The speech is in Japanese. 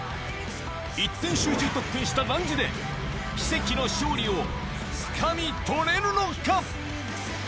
一点集中特訓したランジで、奇跡の勝利をつかみ取れるのか。